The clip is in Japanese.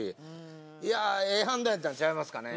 いやぁええ判断やったんちゃいますかね。